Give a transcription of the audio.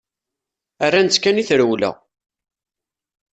Rran-tt kan i trewla.